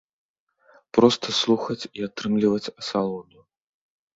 Проста слухаць і атрымліваць асалоду.